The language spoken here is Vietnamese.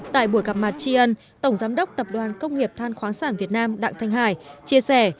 tại buổi gặp mặt tri ân tổng giám đốc tập đoàn công nghiệp than khoáng sản việt nam đặng thanh hải chia sẻ